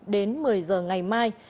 đến một mươi h ngày mai